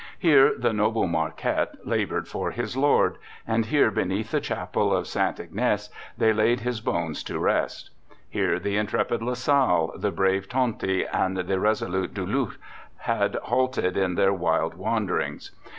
Here the noble Marquette laboured for his Lord, and here beneath the chapel of St. Ignace they laid his bones to rest. Here the intrepid La Salle, the brave Tonty and the resolute Du Luht had halted in their wild wanderings.